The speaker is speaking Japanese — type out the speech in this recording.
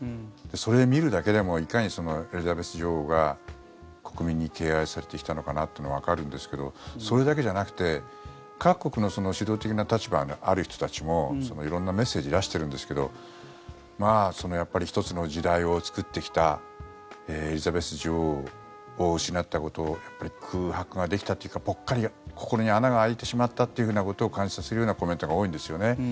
それを見るだけでもいかにエリザベス女王が国民に敬愛されてきたのかなというのはわかるんですけどそれだけじゃなくて、各国の主導的な立場にある人たちも色んなメッセージ出してるんですけどやっぱり１つの時代を作ってきたエリザベス女王を失ったことやっぱり空白ができたというかぽっかり心に穴が開いてしまったということを感じさせるようなコメントが多いんですよね。